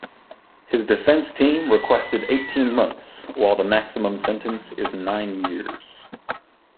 His defense team requested eighteen months, while the maximum sentence is nine years.